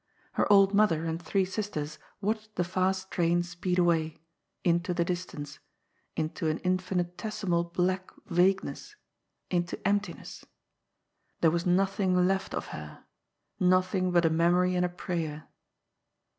Her old mother and three sisters watched the fast train speed away — into the distance — into an infinitesimal black yagueness — into emptiness. There was nothing left of her. Nothing but a memory and a prayer.